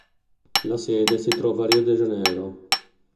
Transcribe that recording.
La sede si trova a Rio de Janeiro.